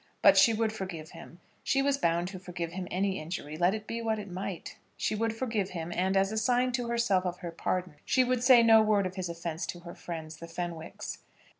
But she would forgive him. She was bound to forgive him any injury, let it be what it might. She would forgive him; and as a sign to herself of her pardon she would say no word of his offence to her friends, the Fenwicks.